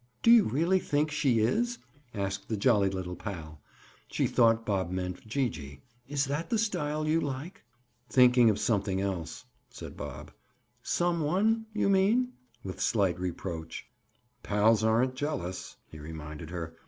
"Do you really think she is?" asked the jolly little pal. She thought Bob meant Gee gee. "Is that the style you like?" "Thinking of something else," said Bob. "Some one, you mean?" with slight reproach. "Pals aren't jealous," he reminded her.